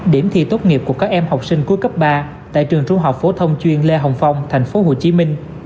điểm thi tốt nghiệp của các em học sinh cuối cấp ba tại trường trung học phổ thông chuyên lê hồng phong tp hcm